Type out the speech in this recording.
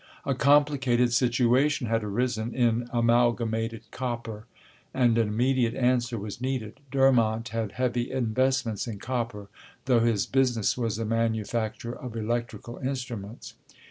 A complicated situation had arisen in Amalgamated Copper, and an immediate answer was needed. Durmont had heavy investments in copper, though his business was the manufacture of electrical instruments.